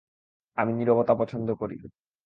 আমি নীরবতা পছন্দ করি।